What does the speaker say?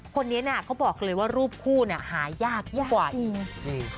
คนนี้เขาบอกเลยว่ารูปคู่หายากยากกว่าอีก